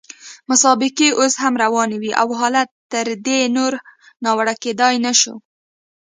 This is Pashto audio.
مسابقې اوس هم روانې وې او حالت تر دې نور ناوړه کېدای نه شو.